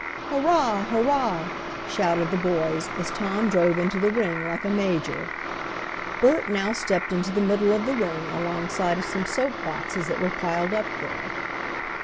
"Hurrah! hurrah!" shouted the boys, as Tom drove into the ring like a major. Bert now stepped into the middle of the ring alongside of some soap boxes that were piled up there.